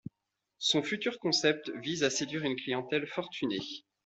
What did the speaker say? Son futur concept vise à séduire une clientèle fortunée.